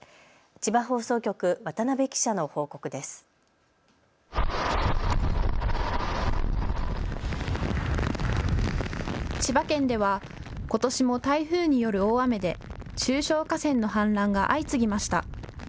千葉県ではことしも台風による大雨で中小河川の氾濫が相次ぎました。